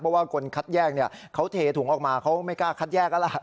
เพราะว่าคนคัดแยกเขาเทถุงออกมาเขาไม่กล้าคัดแยกแล้วล่ะ